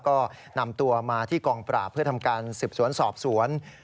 ก็นำตัวมาที่กองปราบเพื่อทำการสืบสวนสอบสวน